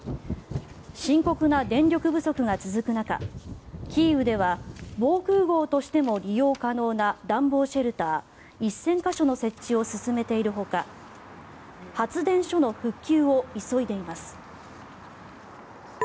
深刻な電力不足が続く中キーウでは防空壕としても利用可能な暖房シェルター１０００か所の設置を進めているほか発電所の復旧を急いでいます。